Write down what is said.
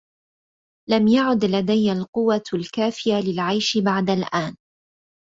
لم يعد لدي القوة الكافية للعيش بعد الآن.